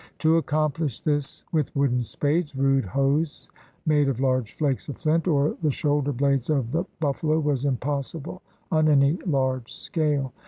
To accomplish this with wooden spades, rude hoes made of large flakes of flint, or the shoulder blades of the buffalo, was impossible on any large scale.